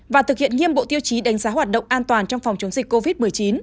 và thực hiện nghiêm bộ tiêu chí đánh giá hoạt động an toàn trong phòng chống dịch covid một mươi chín